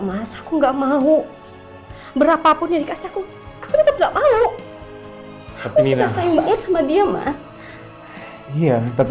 mas aku nggak mau berapapun yang dikasih aku nggak mau tapi ini ada sama dia mas iya tapi